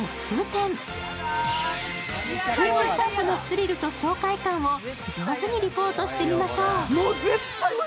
空中散歩のスリルと爽快感を上手にリポートしてみましょう。